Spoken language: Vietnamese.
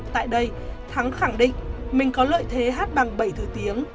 tại đây thắng khẳng định mình có lợi thế hát bằng bảy thứ tiếng